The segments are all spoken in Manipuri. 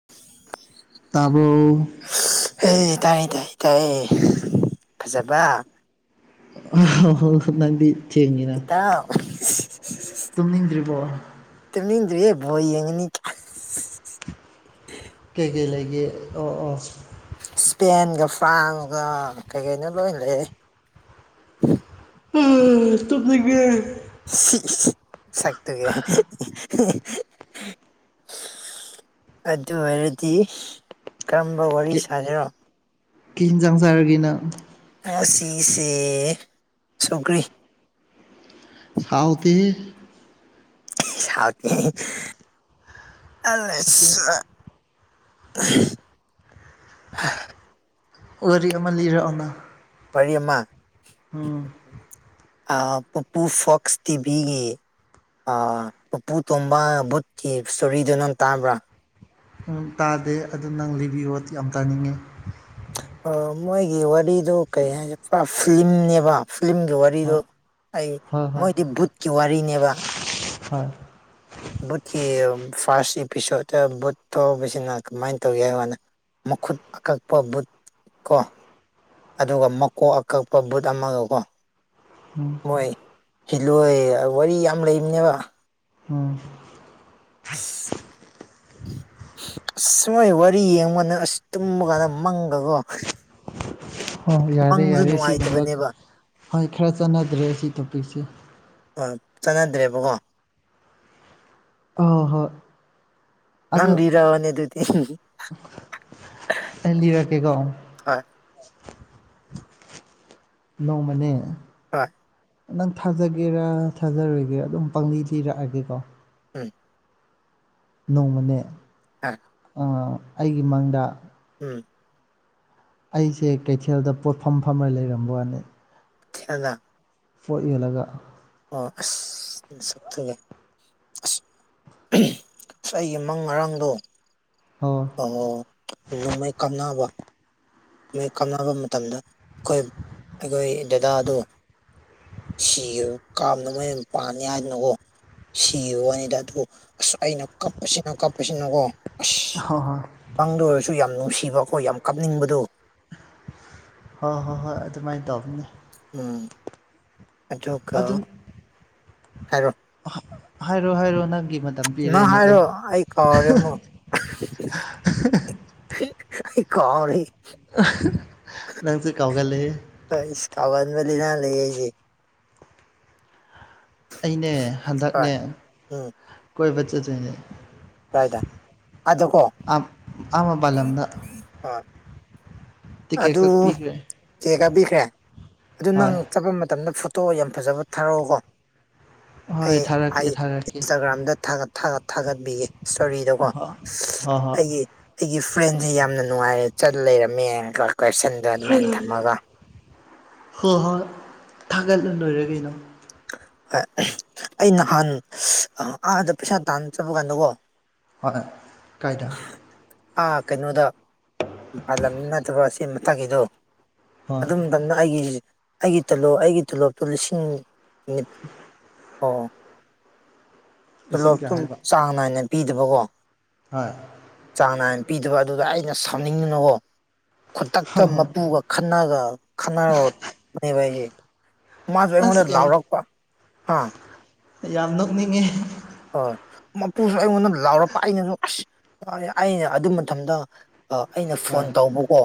[unintelligible] ꯇꯥꯕ꯭ꯔꯣ ꯍꯩ ꯇꯥꯏ ꯇꯥꯏ ꯇꯥꯏꯌꯦ ꯐꯖꯕ ꯍꯥꯏ ꯍꯥꯎ‌ ꯆꯦꯡꯅꯤꯅ ꯑ ꯇꯨꯝꯅꯤꯡꯗ꯭ꯔꯤꯕꯣ ꯇꯅꯤꯡꯗ꯭ꯔꯤꯌꯦ ꯕꯣꯜ ꯌꯦꯉꯅꯤ ꯀꯩ ꯀꯩ ꯂꯩꯒꯦ ꯑꯣ ꯑꯣ ꯄꯦꯟꯒ ꯐ꯭ꯔꯥꯁꯒ ꯀꯩ ꯀꯩꯅꯣ ꯂꯣꯏ ꯂꯩꯌꯦ ꯑ ꯇꯨꯝꯅꯤꯡꯉꯦ ꯁꯥꯛꯇꯨꯒ ꯑꯗꯨ ꯑꯣꯏꯔꯗꯤ ꯀꯔꯝꯕ ꯋꯥꯔꯤ ꯁꯥꯁꯤꯔꯣ ꯀꯤ ꯌꯤꯟꯖꯥꯡ ꯆꯥꯔꯒ‌ꯦ ꯅꯪ ꯉꯁꯤꯁꯦ ꯁꯧꯒ꯭ꯔꯤ ꯍꯥꯎꯇꯦ ꯍꯦ ꯏꯁ ꯍꯥꯎꯇꯦ ꯍꯦ ꯑꯁꯤ ꯑꯂꯦꯁꯆ ꯋꯥꯔꯤ ꯑꯃ ꯂꯤꯔꯛꯑꯣꯅ ꯋꯥꯔꯤ ꯑꯃꯥ ꯎꯝ ꯑꯥ ꯄꯨꯄꯨ ꯐꯣꯛꯁ ꯇꯤꯚꯤꯒꯤ ꯑꯥ ꯄꯨꯄꯨ ꯇꯣꯝꯕ ꯕꯨꯠꯀꯤ ꯏꯁꯇꯣꯔꯤꯗꯨ ꯅꯪ ꯇꯥꯕ꯭ꯔꯥ ꯎꯝ ꯇꯥꯗꯦ ꯑꯗꯨ ꯅꯪ ꯂꯤꯕꯤꯌꯣ ꯌꯥꯝ ꯇꯥꯅꯤꯡꯉꯦ ꯑ ꯃꯣꯏꯒꯤ ꯋꯥꯔꯤꯗꯨ ꯀꯩ ꯍꯥꯏꯁꯤꯒꯦ ꯄꯨꯔꯥ ꯐꯤꯂꯤꯡꯅꯦꯕ ꯐꯤꯂꯝꯒꯤ ꯋꯥꯔꯤ ꯋꯥꯔꯤꯗꯣ ꯍꯣꯏ ꯑꯩ ꯃꯣꯏꯗꯤ ꯕꯨꯠꯀꯤ ꯋꯥꯔꯤꯅꯦꯕ ꯍ‌ꯣꯏ ꯕꯨꯠꯀꯤ ꯐꯥꯔꯁ ꯑꯦꯄꯤꯁꯣꯠꯇ ꯕꯨꯠ ꯊꯣꯛꯄꯁꯤꯅ ꯀꯃꯥꯏ ꯇꯧꯏ ꯍꯥꯏꯕꯀꯥꯟꯗ ꯃꯈꯨꯠ ꯑꯀꯛꯄ ꯕꯨꯠ ꯀꯣ ꯑꯗꯨꯒ ꯃꯀꯣꯛ ꯑꯀꯛꯄ ꯕꯨꯠ ꯑꯃꯒ ꯀꯣ ꯎꯝ ꯃꯣꯏ ꯍꯤꯜꯂꯣꯏ ꯋꯥꯔꯤ ꯌꯥꯝ ꯂꯩꯕꯅꯦꯕ ꯎꯝ ꯑꯁ [unintelligible] ꯑꯁ ꯃꯣꯏ ꯋꯥꯔꯤ ꯌꯦꯡꯉꯣ ꯅꯪ ꯑꯁ ꯇꯨꯝꯕ ꯀꯥꯟꯗ ꯃꯪꯒꯀꯣ ꯍꯣꯏ ꯌꯥꯔꯦ ꯃꯪꯁꯨ ꯌꯥꯔꯦ ꯁꯤꯒꯨꯝꯕ ꯅꯨꯡꯉꯥꯏꯇꯕꯅꯦꯕ ꯍꯣꯏ ꯈꯔ ꯆꯠꯅꯗ꯭ꯔꯦ ꯁꯤ ꯇꯣꯄꯤꯛꯁꯦ ꯑ ꯆꯠꯅꯗ꯭ꯔꯦꯕꯀꯣ ꯑ ꯍꯣꯏ ꯅꯪ ꯑꯗꯨ ꯂꯤꯔꯛ ꯑꯣꯅꯦ ꯑꯗꯨꯗꯤ ꯑꯩ ꯂꯤꯔꯛꯀꯦꯀꯣ ꯍꯣꯏ ꯅꯣꯡꯃꯅꯦ ꯑꯣꯏ ꯅꯪ ꯊꯥꯖꯒꯦꯔꯥ ꯊꯥꯖꯔꯣꯏꯒꯦꯔꯥ ꯑꯗꯨꯝ ꯄꯪꯂꯤ ꯂꯤꯔꯛꯑꯒꯦꯀꯣ ꯎꯝ ꯅꯣꯡꯃꯅꯦ ꯑ ꯑꯥ ꯑꯩꯒꯤ ꯃꯪꯗ ꯎꯝ ꯑꯩꯁꯦ ꯀꯩꯊꯦꯜꯗ ꯄꯣꯠꯐꯝ ꯐꯝꯔ ꯂꯩꯔꯝꯕ ꯋꯥꯅꯦ ꯈꯦꯜꯂ ꯄꯣꯠ ꯌ‌ꯣꯜꯂꯒ ꯑꯣ ꯑꯁ ꯅꯥꯁꯛꯇꯨꯒ ꯑꯁ ꯑꯩꯒꯤ ꯃꯪ ꯉꯔꯥꯡꯗꯣ ꯑꯣ ꯑꯣ ꯅꯣꯡꯃꯩ ꯀꯥꯞꯅꯕ ꯃꯣꯏ ꯀꯥꯞꯅꯕ ꯃꯇꯝꯗ ꯑꯩꯈꯣꯏ ꯑꯩꯈꯣꯏ ꯗꯗꯥꯗꯨ ꯁꯤꯒ꯭ꯔꯕ ꯀꯥꯞ ꯅꯣꯡꯃꯩꯅ ꯄꯥꯟꯅꯤ ꯍꯥꯏꯗꯅꯀꯣ ꯁꯤꯕꯋꯥꯅꯤꯗ ꯑꯗꯨ ꯑꯁ ꯑꯩꯅ ꯀꯞꯄꯁꯤꯅ ꯀꯞꯄꯁꯤꯅꯀꯣ ꯑꯁ ꯍꯣꯏ ꯍꯣꯏ ꯃꯪꯗ ꯑꯣꯏꯔꯁꯨ ꯌꯥꯝ ꯅꯨꯡꯁꯤꯕ ꯑꯩꯈꯣꯏ ꯌꯥꯝ ꯀꯞꯅꯤꯡꯕꯗꯣ ꯍꯣꯏ ꯍꯣꯏ ꯍꯣꯏ ꯑꯗꯨꯃꯥꯏꯅ ꯇꯧꯕꯅꯤ ꯎꯝ ꯑꯗꯨꯒ ꯑꯗꯨꯝ ꯍꯥꯏꯔꯣ ꯍꯥꯏꯔꯣ ꯍꯥꯏꯔꯣ ꯅꯪꯒꯤ ꯃꯇꯝ ꯅꯪ ꯄꯤꯔꯦꯅꯦ ꯍꯥꯏꯔꯣ ꯑꯩ ꯀꯥꯎꯔꯦ ꯑꯃꯨ ꯑꯩ ꯀꯥꯎꯔꯦ ꯅꯪꯁꯨ ꯀꯥꯎꯒꯂꯦꯍꯦ ꯑ ꯏꯁ ꯀꯥꯎꯒꯟꯕ ꯂꯩꯅ ꯂꯩꯌꯦ ꯑꯩꯗꯤ ꯑꯩꯅꯦ ꯍꯣꯏ ꯍꯟꯗꯛꯅꯦ ꯎꯝ ꯀꯣꯏꯕ ꯆꯠꯇꯣꯏꯅꯦ ꯀꯥꯏꯗ ꯑꯗꯀꯣ ꯑꯥ ꯃꯄꯥꯜꯂꯝꯗ ꯑ ꯑꯗꯨ ꯀꯛꯄꯤꯈ꯭ꯔꯦ ꯀꯦꯀꯌꯥ ꯄꯤꯈ꯭ꯔꯦ ꯑꯗꯨ ꯅꯪ ꯍꯣꯏ ꯆꯠꯄ ꯃꯇꯝꯗ ꯐ ꯇꯣ ꯌꯥꯝ ꯐꯖꯕ ꯊꯥꯔꯛꯑꯣꯀꯣ ꯍꯣꯏ ꯊꯥꯔꯛꯀꯦ ꯑꯩ ꯊꯥꯔꯛꯀꯦ ꯏꯟ꯭ꯁꯇꯥꯒ꯭ꯔꯥꯝꯗ ꯊꯥꯒꯠ ꯊꯥꯒꯠ ꯊꯥꯒꯠꯄꯤꯒꯦ ꯏꯁꯇꯣꯔꯤꯗꯀꯣ ꯍꯣꯏ ꯍꯣꯏ ꯍꯣꯏ ꯑꯩꯒꯤ ꯑꯩꯒꯤ ꯐ꯭ꯔꯦꯟꯁꯦ ꯌꯥꯝꯅ ꯅꯨꯡꯉꯥꯏꯔꯦ ꯆꯠꯂ ꯂꯩꯔꯝꯃꯦꯒ ꯀꯣꯏꯁꯟꯗ ꯑꯗꯨꯃꯥꯏꯅ ꯊꯝꯃꯒ ꯍꯣꯏ ꯍꯣꯏ ꯊꯥꯒꯠꯂ ꯂꯣꯏꯔ ꯀꯅꯣ ꯍꯣꯏ ꯑꯩ ꯅꯍꯥꯟ ꯑꯥꯗ ꯄꯩꯁꯥ ꯇꯥꯟꯅ ꯆꯠꯄ ꯀꯥꯟꯗꯀꯣ ꯍꯣꯏ ꯀꯥꯏꯗ ꯑꯥ ꯀꯩꯅꯣꯗ ꯄꯥꯜꯂꯝꯅꯤ ꯅꯠꯇꯕ ꯑꯁꯤ ꯃꯊꯪꯒꯤꯗꯣ ꯍꯣꯏ ꯑꯗꯨ ꯃꯇꯝꯗ ꯑꯩꯒꯤ ꯑꯩꯒꯤ ꯇꯣꯂꯣꯞ ꯑꯩꯒꯤ ꯇꯣꯂꯣꯞꯇꯨ ꯂꯤꯁꯤꯡ ꯃꯤꯠ ꯑꯣ ꯂꯤꯁꯤꯡ ꯀꯌꯥ ꯇꯣꯂꯣꯞꯇꯨꯝ ꯍꯥꯏꯕ ꯆꯥꯡ ꯅꯥꯏꯅ ꯄꯤꯗꯕꯀꯣ ꯍꯣꯏ ꯆꯥꯡ ꯅꯥꯏꯅ ꯄꯤꯗꯕ ꯑꯗꯨꯗ ꯑꯩꯅ ꯁꯥꯎꯅꯤꯡꯉꯤꯅꯀꯣ ꯈꯨꯟꯗꯛꯇ ꯍꯣꯏ ꯍꯣꯏ ꯃꯄꯨꯒ ꯈꯟꯅꯒ ꯈꯟꯅꯔꯛꯄꯅꯦꯕ ꯑꯩꯒꯤ ꯃꯥꯁꯨ ꯑꯩꯉꯣꯟꯗ ꯑꯁ ꯌꯥꯝ ꯂꯥꯎꯔꯛꯄ ꯍꯥꯥ ꯌꯥꯝ ꯅꯣꯛꯅꯤꯡꯉꯦ ꯍꯣꯏ ꯃꯄꯨꯁꯨ ꯑꯩꯉꯣꯟꯗ ꯂꯥꯎꯔꯛꯄ ꯑꯩꯅꯁꯨ ꯑꯁ ꯑꯩꯅ ꯑꯗꯨ ꯃꯇꯝꯗ ꯑꯩꯅ ꯐꯣꯟ ꯍꯣꯏ ꯇꯧꯕꯀꯣ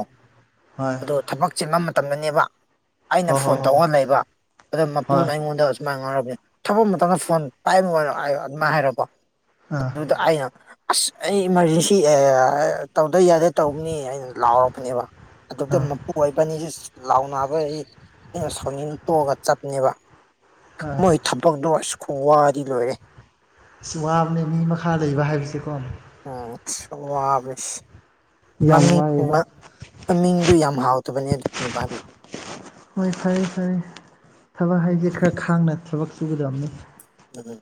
ꯍꯣꯏ ꯑꯗꯣ ꯊꯕꯛ ꯆꯤꯟꯕ ꯃꯇꯝꯗꯅꯦꯕ ꯑꯩꯅ ꯍꯣꯏ ꯐꯣꯟ ꯍꯣꯏ ꯍꯣꯏ ꯊꯣꯛꯧꯍ ꯂꯩꯕ ꯑꯗꯨ ꯍꯣꯏ ꯃꯄꯨꯅ ꯑꯩꯉꯣꯟꯗ [unintelligible] ꯊꯕꯛ ꯃꯇꯝꯗ ꯐꯣꯟ ꯄꯥꯏꯕꯩ ꯋꯔꯣ ꯑꯗꯨꯃꯥꯏ ꯍꯥꯏꯔꯀꯣ ꯑꯥ ꯑꯗꯨꯗ ꯑꯩꯅ ꯑꯁ ꯑꯩ ꯏꯃꯥꯔꯖꯦꯟꯁꯤ ꯇꯧꯗ ꯌꯥꯗꯦ ꯇꯧꯕꯅꯤ ꯑꯩꯅ ꯂꯥꯎꯔꯛꯄꯅꯦꯕ ꯑꯗꯨꯗ ꯑꯥ ꯃꯄꯨ ꯑꯣꯏꯕꯅꯤꯁꯤ ꯂꯥꯎꯅꯕ ꯑꯩ ꯑꯩꯅ ꯁꯣꯅꯤꯅ ꯇꯣꯛꯑꯒ ꯆꯠꯄꯅꯦꯕ ꯑꯥ ꯃꯣꯏ ꯊꯕꯛꯇꯣ ꯑꯁ ꯈꯨꯝꯋꯥꯗꯤ ꯂꯣꯏꯔꯦ ꯑꯁ ꯋꯥꯕꯅꯦ ꯃꯤ ꯃꯈꯥ ꯂꯩꯕ ꯍꯥꯏꯕꯁꯤꯀꯣ ꯎꯝ ꯑꯁ ꯋꯕꯅꯦ ꯌꯥꯝ ꯃꯃꯤꯡ ꯋꯥꯏꯑꯦꯕ ꯃꯃꯤꯡꯗꯨ ꯌꯥꯝ ꯍꯥꯎꯇꯕꯅꯦ ꯑꯗꯨꯒꯤ ꯅꯨꯄꯥꯗꯨ ꯍꯣꯏ ꯐꯔꯦ ꯐꯔꯦ ꯊꯕꯛ ꯍꯥꯏꯁꯦ ꯈꯔ ꯈꯥꯡꯅ ꯊꯕꯛ ꯆꯁꯨꯒꯗꯕꯅꯤ ꯎꯝ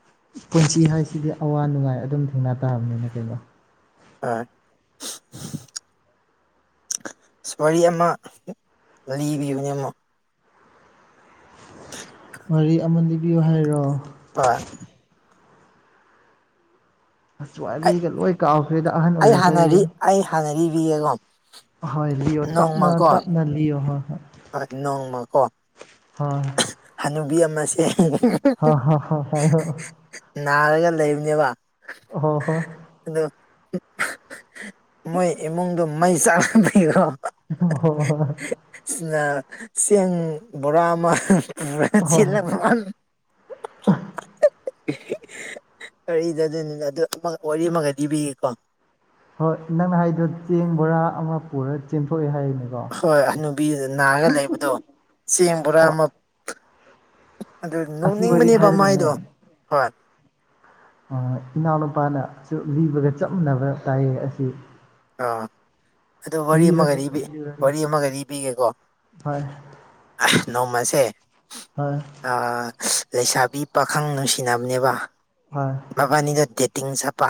ꯄꯨꯟꯁꯤ ꯍꯥꯏꯁꯤꯗꯤ ꯑꯋꯥ ꯅꯨꯡꯉꯥꯏ ꯑꯗꯨꯝ ꯊꯦꯡꯅꯥ ꯇꯥꯕꯅꯤꯅ ꯀꯩꯅꯣ ꯑꯥ [unintelligible] ꯑꯁ ꯋꯥꯔꯤꯔꯤ ꯑꯃ ꯂꯤꯕꯅꯦ ꯑꯃꯨꯛ ꯋꯥꯔꯤ ꯑꯃ ꯂꯤꯕꯤꯌꯨ ꯍꯥꯏꯔꯣ ꯍꯣꯏ ꯋꯥꯔꯤꯂꯤꯒ ꯂꯣꯏ ꯀꯥꯎꯈ꯭ꯔꯦꯗ ꯑꯍꯟ ꯑꯣꯏꯔꯛꯄꯩꯔ ꯊꯥꯟꯅꯔꯤꯕꯌꯦꯀꯣ ꯍꯣꯏ ꯂꯤꯑꯣ ꯇꯞꯅ ꯇꯞꯅ ꯂꯤꯑꯣ ꯍꯣꯏ ꯍꯣꯏ ꯍꯣꯢ ꯅꯪꯅ ꯀꯣ ꯍꯣꯢ ꯍꯅꯨꯕꯤ ꯑꯃꯁꯦ ꯍꯣ ꯍꯣ ꯍꯣ ꯅꯥꯔꯒ ꯂꯩꯕꯅꯦꯕ ꯑꯣ ꯍꯣ ꯑ ꯃꯣꯏ ꯏꯃꯨꯡꯗꯣ ꯃꯩ ꯆꯥꯛ ꯂꯛꯄꯒꯤꯒꯣ ꯍ ꯍ [unintelligible] [unintelligible] ꯆꯦꯡ ꯕꯣꯔꯥ ꯑꯃ ꯄꯨꯔꯥ ꯑꯣ ꯆꯦꯜꯂꯛꯕꯩ ꯋꯥꯅꯤ [inaudible] ꯑꯩꯅ ꯑꯗꯨꯅꯤꯅ ꯑꯗꯨ ꯑꯃꯒ ꯋꯥꯔꯤ ꯑꯃꯒ ꯂꯤꯕꯤꯒꯦꯀꯣ ꯍꯣꯏ ꯅꯪꯅ ꯍꯥꯏꯗꯨ ꯆꯦꯡ ꯕꯣꯔꯥ ꯑꯃ ꯄꯨꯔ ꯆꯦꯟꯊꯣꯛꯑꯦ ꯍꯥꯏꯔꯤꯅꯦ ꯍꯣꯏ ꯍꯥꯅꯨꯕꯤ ꯅꯥꯔ ꯂꯩꯕꯗꯣ ꯆꯦꯡ ꯕꯣꯔꯥ ꯑꯣ ꯑꯃ ꯑꯗꯨ ꯑꯁꯤ ꯋꯥꯔꯤ ꯅꯣꯛꯅꯤꯡꯕꯅꯦꯕ ꯍꯥꯏꯔꯒꯅꯦ ꯃꯥꯏꯗꯣ ꯍꯣꯏ ꯎꯝ ꯏꯅꯥꯎꯅꯨꯄꯥꯅ ꯖꯨ ꯂꯤꯕꯗ ꯆꯞ ꯃꯥꯟꯅꯕ ꯇꯥꯏꯌꯦ ꯑꯁꯤ ꯑꯥ ꯑꯗꯨ ꯋꯥꯔꯤ ꯑꯃꯒ ꯂꯤꯔꯣꯅꯦ ꯂꯤꯕꯤ ꯂꯤꯔꯣꯅꯦ ꯋꯥꯔꯤ ꯑꯃꯒ ꯂꯤꯕꯤꯒꯦꯀꯣ ꯍꯣꯏ ꯑꯦꯍ ꯅꯣꯡꯃꯁꯦ ꯍꯣꯢ ꯑꯥꯑꯥ ꯂꯩꯁꯥꯕꯤ ꯄꯥꯈꯪ ꯅꯨꯡꯁꯤꯅꯕꯅꯦꯕ ꯍꯣꯏ ꯃꯕꯥꯅꯤꯗꯣ ꯗꯦꯇꯤꯡ ꯆꯠꯄ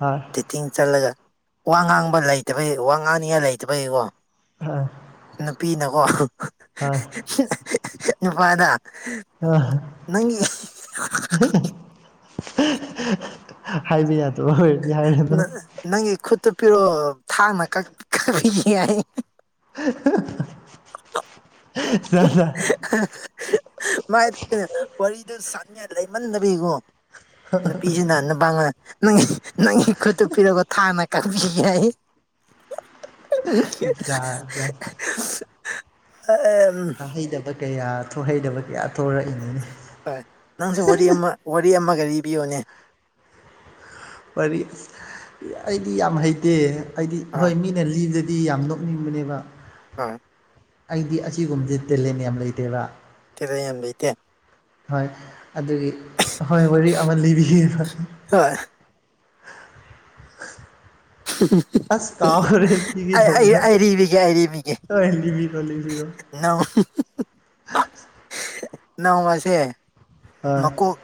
ꯍꯣꯏ ꯗꯦꯇꯤꯡ ꯆꯠꯂꯒ ꯋꯥ ꯉꯥꯡꯕ ꯂꯩꯇꯕꯩ ꯋꯥ ꯉꯥꯡꯅꯤꯡꯉꯥꯏ ꯂꯩꯇꯕꯩꯀꯣ ꯍꯣꯢ ꯅꯨꯄꯤꯅꯀꯣ ꯅꯨꯄꯥꯗ ꯑ ꯅꯪꯒꯤ [inaudible] ꯍꯥꯏꯕ ꯌꯥꯗꯕ ꯑꯣꯏꯔꯗꯤ ꯍꯥꯏꯔꯛꯒꯅꯨ ꯅ- ꯅꯪꯒꯤ ꯈꯨꯠꯇꯨ ꯄꯤꯔꯛꯑꯣ ꯊꯥꯡꯅ ꯀꯛ ꯀꯛꯄꯤꯒꯦ ꯍꯥꯏꯌꯦ [unintelligible] ꯃꯥꯏꯗꯣ ꯋꯥꯔꯤꯗꯣ ꯁꯥꯟꯅꯤꯉꯥꯢ ꯂꯩꯃꯟꯗꯕꯤꯀꯣ ꯅꯨꯄꯤꯁꯤꯅ ꯅꯨꯄꯥꯗ ꯅꯪꯒꯤ ꯅꯪꯒꯤꯈꯨꯠꯇꯨ ꯄꯤꯔꯛꯑꯣ ꯊꯥꯡꯅ ꯀꯛꯄꯤꯒꯦ ꯍꯥꯏ ꯖꯥꯠ ꯖꯥꯠ ꯏꯁ [unintelligible] ꯑꯥ ꯑꯦ ꯑꯝ [unintelligible] ꯍꯩꯗꯕ ꯀꯌꯥ ꯊꯣꯛꯍꯩꯗꯕ ꯀꯌꯥ ꯊꯣꯛꯔꯛꯏꯅꯤꯅꯦ ꯍꯥꯏ ꯅꯪꯁꯦ ꯋꯥꯔꯤ ꯑꯃ ꯋꯥꯔꯤ ꯑꯃꯒ ꯂꯤꯕꯤꯌꯣꯅꯦ ꯋꯥꯔꯤ ꯑꯁ ꯑꯩꯗꯤ ꯌꯥꯝ ꯍꯩꯇꯦ ꯑꯩꯗꯤ ꯍꯣꯏ ꯑꯥ ꯃꯤ ꯂꯤꯔꯗꯤ ꯌꯥꯝ ꯅꯣꯛꯅꯤꯡꯕꯅꯦꯕ ꯑꯥ ꯑꯩꯗꯤ ꯑꯁꯤꯒꯨꯝꯕꯗꯤ ꯇꯦꯂꯦꯟ ꯌꯥꯝ ꯂꯩꯇꯦꯕ ꯇꯦꯂꯦꯟ ꯌꯥꯝ ꯂꯩꯇꯦ ꯍꯣꯏ ꯑꯗꯨꯒꯤ ꯋꯥꯔꯤ ꯑꯃ ꯂꯤꯕꯤꯒꯦ ꯍꯣꯢ [unintelligible] ꯑꯁ ꯀꯥꯎꯈꯔꯦ ꯎꯇꯤꯒꯤ ꯑꯩ ꯑꯩ ꯊꯣꯡꯕꯗ ꯑꯩ ꯂꯤꯕꯤꯒꯦ ꯑꯩ ꯂꯤꯕꯤꯒꯦ ꯍꯣꯏ ꯂꯤꯕꯤꯔꯣ ꯂꯤꯕꯤꯔꯣ [unintelligible] [unintelligible] ꯅꯣꯡꯃꯥꯁꯦ ꯍꯣꯏ ꯃꯀꯣꯛ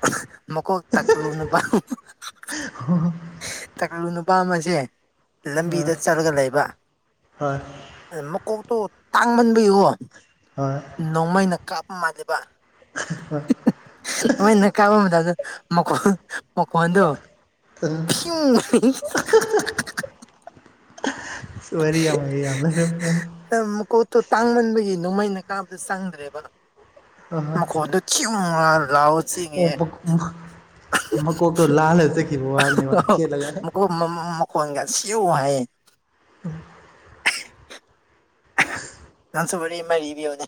ꯃꯀꯣꯛ [unintelligible] ꯅꯨꯄꯥꯃꯥ ꯇꯀꯂꯨ ꯅꯨꯄꯥ ꯑꯃꯁꯦ ꯂꯝꯕꯤꯗ ꯆꯠꯂꯒ ꯂꯩꯕ ꯍꯣꯏ ꯃꯀꯣꯛꯇꯣ ꯇꯥꯡꯃꯟꯕꯩꯀꯣ ꯍꯣꯏ ꯅꯣꯡꯃꯩꯅ ꯀꯥꯞꯄ ꯃꯥꯟꯂꯤꯕ [unintelligible] ꯅꯣꯏꯅ ꯀꯥꯞꯄ ꯃꯇꯝꯗ ꯃꯈꯣꯟ ꯃꯈꯣꯟꯗꯨ ꯑꯥ [unintelligible] ꯋꯔꯤ ꯌꯥꯝ ꯌꯥꯝ ꯂꯩꯔꯝꯃꯦ ꯃꯀꯣꯛꯇꯣ ꯇꯥꯡꯃꯟꯕꯒꯤ ꯅꯣꯡꯃꯩꯅ ꯀꯥꯞꯄꯁꯨ ꯆꯪꯗꯔꯦꯕ ꯃꯈꯣꯟꯗꯣ ꯆꯤꯡꯌꯨ ꯂꯥꯎꯒ ꯆꯦꯡꯉꯤꯌꯦ ꯑꯣ ꯃꯀꯣꯛꯇꯣ ꯂꯥꯜꯂꯥ ꯆꯠꯈꯤꯕ ꯋꯥꯅꯦꯕ ꯈꯦꯠꯂꯥꯒ ꯃꯈꯣꯟꯒ ꯁꯤꯌꯨ ꯍꯥꯏꯌꯦ [unintelligible] ꯅꯪꯁꯨ ꯋꯥꯔꯤ ꯑꯃ ꯂꯤꯕꯤꯌꯣꯅꯦ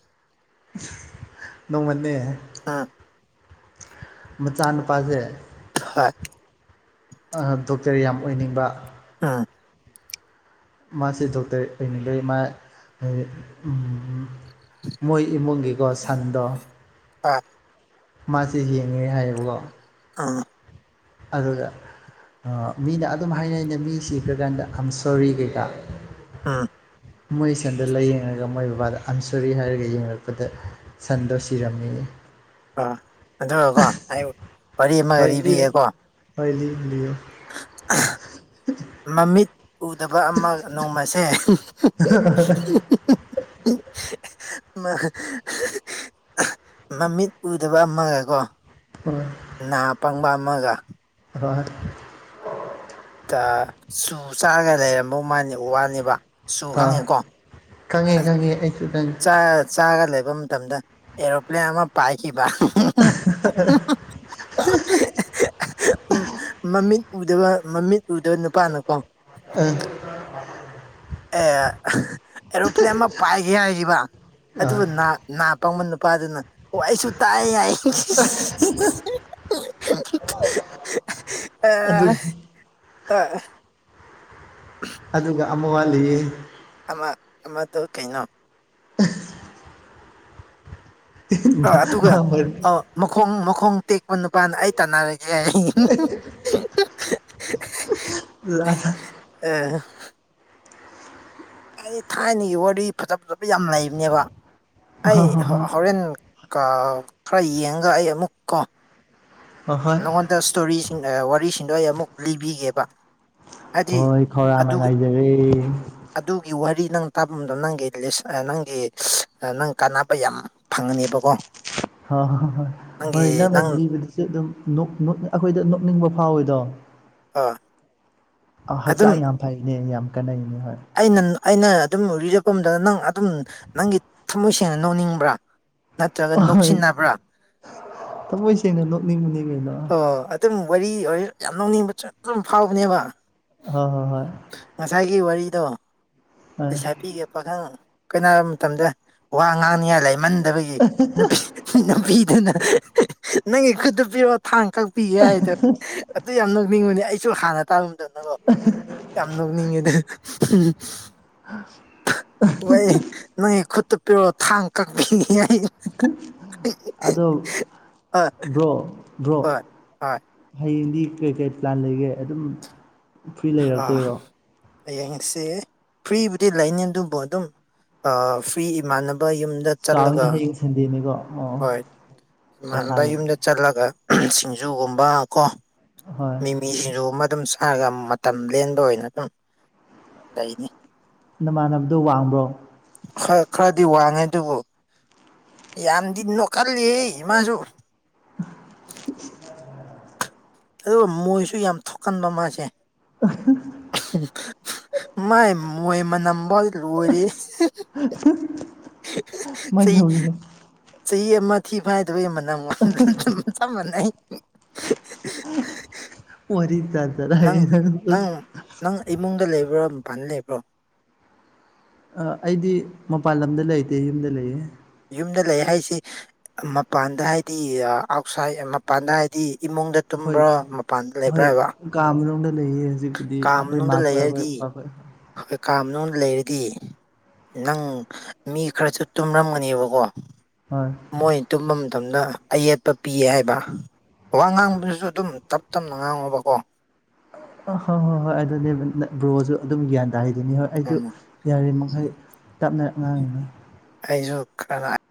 ꯅꯣꯡꯃꯅꯦ ꯑꯥ ꯃꯆꯥꯅꯨꯄꯥꯁꯦ ꯍꯣꯏ ꯑꯥ ꯗꯣꯛꯇꯔ ꯌꯥꯝ ꯑꯣꯏꯅꯤꯡꯕ ꯑꯥ ꯃꯥꯁꯦ ꯗꯣꯛꯇꯔ ꯑꯣꯏꯅꯤꯡꯕꯩ ꯃꯥ ꯍꯥꯏꯗꯤ ꯎꯝ ꯃꯣꯏ ꯏꯃꯨꯡꯒꯤꯀꯣ ꯁꯟꯗꯣ ꯑꯥ ꯃꯥꯁꯦ ꯌꯦꯡꯉꯦ ꯍꯥꯏꯌꯦꯕꯀꯣ ꯑꯥ ꯑꯗꯨꯒ ꯑꯥ ꯃꯤꯅ ꯑꯗꯨꯝ ꯍꯥꯏꯅꯩꯩꯅ ꯃꯤ ꯁꯤꯈꯔꯥꯀꯥꯟꯗ ꯑꯝ ꯁꯣꯔꯤ ꯀꯩꯀꯥ ꯑꯥ ꯃꯣꯏ ꯁꯟꯗ ꯂꯥꯏꯌꯦꯡꯉꯒ ꯃꯣꯏ ꯕꯕꯥꯗ ꯑꯝ ꯁꯣꯔꯤ ꯍꯥꯏꯔꯒ ꯌꯦꯡꯉꯔꯛꯄꯗ ꯁꯟꯗꯣ ꯁꯤꯔꯝꯃꯦꯌꯦ ꯑꯥ ꯑꯗꯨꯒ ꯀꯣ ꯑꯩ ꯋꯥꯔꯤ ꯑꯃꯒ ꯂꯤ ꯍꯣꯏ ꯂꯤꯔꯣ ꯂꯤꯕꯤꯒꯦꯀꯣ ꯍꯣꯏ ꯂꯤꯕꯨꯗꯤ ꯂꯤꯌꯣ ꯃꯃꯤꯠ ꯎꯗꯕ ꯑꯃ ꯅꯣꯡꯃꯁꯦ [unintelligible] ꯃꯥ ꯃꯃꯤꯠ ꯎꯗꯕ ꯑꯃꯒꯀꯣ ꯎꯝ ꯅꯥ ꯄꯪꯕ ꯑꯃꯒ ꯍꯣꯏ ꯆꯨ ꯆꯥꯔꯒ ꯂꯩꯔꯝꯃꯧ ꯃꯥꯅꯤ ꯋꯥꯅꯦꯕ ꯆꯨ ꯍꯣꯏ ꯈꯪꯉꯦꯀꯣ ꯈꯪꯉꯦ ꯑꯖ ꯈꯪꯉꯦ ꯑꯩꯁꯨ ꯈꯪꯉꯦ ꯆꯥ ꯆꯥꯒ ꯂꯩꯕ ꯃꯇꯝꯗ ꯑꯦꯔꯣꯄ꯭ꯂꯦꯟ ꯑꯃ ꯄꯥꯏꯈꯤꯕ [unintelligible] [unintelligible] [unintelligible] ꯃꯃꯤꯠ ꯎꯗꯕ ꯃꯃꯤꯠ ꯎꯗꯕ ꯅꯨꯄꯥꯅꯀꯣ ꯎꯝ [inaudible] [unintelligible] ꯑꯦ [unintelligible] ꯑꯦꯔꯣꯄ꯭ꯂꯦꯟ ꯑꯃ ꯄꯥꯏꯒꯤ ꯍꯥꯏꯒꯤꯕ ꯑꯗꯨꯅꯥ ꯅꯥ ꯄꯪꯕ ꯅꯨꯄꯥꯗꯨꯅ ꯑꯣ ꯑꯩꯁꯨ ꯇꯥꯏꯌꯦ ꯍꯥꯏ [unintelligible] ꯑꯥ ꯑꯗꯨꯒꯤ ꯍꯥ ꯑ [unintelligible] ꯑꯗꯨꯒ ꯑꯃ ꯋꯥꯂꯤꯌꯦ ꯑꯃ ꯑꯃꯗꯨ ꯀꯩꯅꯣ ꯑꯣ ꯑꯗꯨꯒ ꯃꯥ ꯃꯔꯤ ꯑ ꯃꯈꯣꯡ ꯃꯈꯣꯡ ꯇꯦꯛꯄ ꯅꯨꯄꯥꯅ ꯑꯩ ꯇꯥꯟꯅꯔꯒꯦ ꯍꯥꯏꯌꯦ [unintelligible] [unintelligible] ꯂꯥꯟꯅ ꯑꯦ ꯍ ꯑꯩ ꯊꯥꯏꯅꯒꯤ ꯋꯥꯔꯤ ꯐꯖ ꯐꯖꯕ ꯌꯥꯝ ꯂꯩꯕꯅꯦꯕ ꯑꯩ ꯍꯣꯏ ꯍꯣꯏ ꯍꯣ ꯍꯣꯏ ꯍꯣꯔꯦꯟ ꯀꯥꯎ ꯈꯔ ꯌꯦꯡꯉꯒ ꯑꯩ ꯑꯃꯨꯛ ꯀꯣ ꯍꯣꯏ ꯍꯣꯏ ꯅꯪꯉꯣꯟꯗ ꯁ꯭ꯇꯣꯔꯤꯁꯤꯡ ꯑꯦ ꯋꯥꯔꯤꯁꯤꯡꯗꯣ ꯑꯩ ꯑꯃꯨꯛ ꯂꯤꯕꯤꯒꯦꯕ ꯍꯥꯏꯗꯤ ꯍꯣꯏ ꯈꯧꯔꯥꯡꯅ ꯑꯗꯨꯒꯤ ꯉꯥꯏꯖꯔꯤ ꯑꯗꯨꯒꯤ ꯋꯥꯔꯤ ꯅꯪ ꯇꯥꯐꯝꯗꯣ ꯅꯪꯒꯤ ꯂꯤꯁ ꯑꯥ ꯅꯪꯒꯤ [unintelligible] ꯑꯥ ꯅꯪ ꯀꯥꯟꯅꯕ ꯌꯥꯝ ꯐꯪꯒꯅꯤꯕꯀꯣ [inaudible] ꯍ ꯍꯣ ꯍꯣꯏ ꯍꯣꯏ ꯅꯪꯅ ꯂꯤꯕꯗꯨꯁꯨ ꯑꯗꯨꯝ ꯅꫭꯛ ꯅꫭꯛ ꯑꯈꯣꯏꯗ ꯅꯣꯛꯅꯤꯡꯕ ꯐꯥꯎꯋꯤꯗꯣ ꯑ ꯑ ꯑꯗꯨꯝ ꯍꯛꯆꯥꯡ ꯌꯥꯝ ꯐꯩꯅꯦ ꯌꯥꯝ ꯀꯥꯟꯅꯩꯅꯦ ꯍꯣꯏ ꯑꯩꯅ ꯅ ꯑꯩꯅ ꯑꯗꯨꯝ ꯔꯦꯔꯤꯕꯀꯨꯝꯗ ꯅꯪ ꯑꯗꯨꯝ ꯅꯪꯒꯤ ꯊꯝꯃꯣꯏ ꯁꯦꯡꯅ ꯅꫭꯛꯅꯤꯡꯕ꯭ꯔꯥ ꯅꯠꯇ꯭ꯔꯒ ꯍꯣꯏ ꯅꯣꯛꯁꯤꯟꯅꯕ꯭ꯔꯥ ꯊꯃꯣꯏ ꯁꯦꯡꯅ ꯅꯣꯛꯅꯤꯡꯕꯅꯤ ꯀꯩꯅꯣ ꯑꯣ ꯑꯗ ꯗꯨꯝ ꯋꯥꯔꯤ ꯑꯣꯏꯔꯖꯨ ꯌꯥꯝ ꯅꫭꯛꯅꯤꯡꯕ ꯖꯨ ꯗꯨꯝ ꯐꯥꯎꯕꯅꯦꯕ ꯍꫭ ꯍꫭ ꯍꯣꯏ ꯉꯁꯥꯏꯒꯤ ꯋꯥꯔꯤꯗꯣ ꯍꯣꯏ ꯍꯣꯏ ꯉꯁꯥꯏ ꯅꯨꯄꯤꯒ ꯄꯥꯈꯪ ꯀꯩꯅꯔ ꯃꯇꯝꯗ ꯋꯥ ꯉꯥꯡꯅꯤꯉꯥꯏ ꯂꯩꯃꯟꯗꯕꯒꯤ ꯅꯨꯄꯤ ꯅꯨꯄꯤꯗꯨꯅ [unintelligible] ꯅꯪꯒꯤ ꯈꯨꯠꯇꯨ ꯄꯤꯔꯣ ꯊꯥꯡ ꯀꯛꯄꯤꯒꯦ ꯍꯥꯏꯗꯨ ꯑꯗꯨ ꯌꯥꯝ ꯅꯣꯛꯅꯤꯡꯕꯅꯦ ꯑꯩꯁꯨ ꯍꯥꯟꯅ ꯇꯥꯕ ꯃꯇꯝꯗꯀꯣ ꯌꯥꯝ ꯅꯣꯛꯅꯤꯡꯉꯦꯗꯨ [unintelligible] [unintelligible] ꯍꯣꯏ ꯅꯣꯏ ꯈꯨꯠꯇꯨ ꯄꯤꯔꯛꯑꫭ ꯊꯥꯡ ꯀꯛꯄꯤꯒꯦ ꯑꯩ [unintelligible] ꯑꯗꯣ ꯍꯣꯏ ꯕ꯭ꯔꯣ ꯕ꯭ꯔꯣ ꯍꯣꯏ ꯍꯣꯏ ꯍꯌꯦꯡꯗꯤ ꯀꯩꯀꯩ ꯄ꯭ꯂꯥꯟ ꯂꯩꯒꯦ ꯑꯗꯨꯝ ꯐ꯭ꯔꯤ ꯑꯥ ꯂꯩꯔꯛꯇꯣꯏꯔꯣ ꯍꯌꯦꯡꯁꯦ ꯐ꯭ꯔꯤꯕꯨꯗꯤ ꯂꯩꯅꯤ ꯑꯗꯨꯕꯨ ꯑꯗꯨꯝ ꯑꯥ ꯐ꯭ꯔꯤ ꯏꯃꯥꯟꯅꯕ ꯥꯕ ꯌꯨꯝꯗ ꯆꯠꯂꯒ ꯀꯥꯎꯏꯅꯦ ꯍꯌꯦꯡ ꯁꯟꯗꯦꯅꯤꯀꯣ ꯑꯣ ꯍꯣꯏ ꯏꯃꯥꯟꯕ ꯄꯣꯊꯥꯒꯅꯤ ꯌꯨꯝꯗ ꯆꯠꯂꯒ [unintelligible] ꯁꯤꯡꯖꯨꯒꯨꯝꯕ ꯀꯣ ꯍꯣꯏ ꯃꯤꯃꯤ ꯁꯤꯡꯖꯨꯒꯨꯝꯕ ꯑꯗꯨꯝ ꯁꯥꯔꯒ ꯃꯠ ꯇꯝ ꯂꯦꯟꯕ ꯑꯣꯏꯅ ꯑꯗꯨꯝ ꯂꯩꯅꯤ ꯅꯃꯥꯟꯅꯕꯗꯣ ꯋꯥꯡꯕ꯭ꯔꯣ ꯈꯔ ꯈꯔꯗꯤ ꯋꯥꯡꯉꯦ ꯑꯗꯨꯕꯨ ꯌꯥꯝꯗꯤ ꯅꫭꯛꯀꯜꯂꯤꯍꯦ ꯃꯥꯁꯨ [inaudible] ꯑꯗꯨꯒ ꯃꯣꯏꯁꯨ ꯌꯥꯝ ꯊꯣꯛꯀꯟꯕ ꯃꯥꯁꯦ [unintelligible] ꯃꯥꯏ ꯃꯣꯏ ꯃꯅꯝꯕꯥꯎꯗꯤ ꯂꯣꯏꯔꯦ [unintelligible] ꯆꯍꯤ ꯀꯃꯥꯏꯅ ꯇꯧꯒꯦ ꯆꯍꯤ ꯑꯃ ꯊꯤ ꯐꯥꯏꯗꯕꯩ ꯃꯅꯝ ꯑꯗꯨꯝ ꯆꯞ ꯃꯥꯟꯅꯩ ꯋꯥ꯭ꯔꯤꯇꯥ ꯅꯪ ꯅꯪ ꯅꯪ ꯏꯃꯨꯡꯗ ꯂꯩꯕ꯭ꯔꯣ ꯃꯄꯥꯟꯗ ꯂꯩꯕ꯭ꯔꯣ ꯑꯩꯗꯤ ꯃꯄꯥꯟ ꯂꯝꯗ ꯂꯩꯇꯦ ꯌꯨꯝꯗ ꯂꯩꯌꯦ ꯌꯨꯝꯗ ꯂꯩ ꯍꯥꯏꯁꯦ ꯃꯄꯥꯟꯗ ꯍꯥꯏꯗꯤ ꯑꯥꯎꯠꯁꯥꯏꯠ ꯃꯄꯥꯟꯗ ꯍꯥꯏꯗꯤ ꯏꯃꯨꯡꯗ ꯍꯣꯏ ꯇꯨꯝꯕ꯭ꯔꯥ ꯃꯄꯥꯟꯗ ꯂꯩꯕ꯭ꯔꯥ ꯍꯣꯏ ꯍꯥꯏꯕ ꯀꯥ ꯃꯅꯨꯡꯗ ꯂꯩꯌꯦ ꯍꯧꯖꯤꯛꯄꯨꯗꯤ ꯑꯩꯈꯣꯏ ꯃꯥꯈꯣꯏ ꯑꯩꯈꯣꯏ ꯄꯥꯈꫭꯏ ꯑꫭꯀꯦ ꯀꯥ ꯃꯅꯨꯡꯗ ꯂꯩꯔꯗꯤ ꯅꯪ ꯃꯤ ꯈꯔꯁꯨ ꯇꯨꯝꯔꯝꯒꯅꯦꯕꯀꯣ ꯍꯣꯏ ꯃꯣꯏ ꯇꯨꯝꯕ ꯃꯇꯝꯗ ꯑꯌꯦꯠꯄ ꯄꯤꯌꯦ ꯍꯥꯏꯕ ꯋꯥ ꯉꯥꯡꯕꯗꯨꯁꯨ ꯑꯗꯨꯝ ꯇꯞ ꯇꯞꯅ ꯉꯥꯡꯉꯣꯕꯀꯣ ꯑ ꯍꯣꯏ ꯍꯣꯏ ꯍꯣꯏ ꯑꯗꯨꯅꯦ ꯕ꯭ꯔꯣꯖꯨ ꯑꯗꯨꯝ ꯒ꯭ꯌꯥꯟ ꯇꯥꯔꯤꯗꯨꯅꯤ ꯍꯣꯏ ꯑꯩꯖꯨ ꯎꯝ ꯌꯥꯔꯤꯃꯛꯈꯩ ꯇꯞꯅ ꯉꯥꯡꯉꯤꯅꯤ ꯑꯩꯖꯨ ꯈꯔ